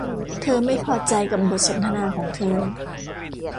เธอไม่พอใจกับบทสนทนาของเธอ